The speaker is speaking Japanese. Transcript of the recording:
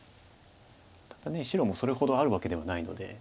ただ白もそれほどあるわけではないので。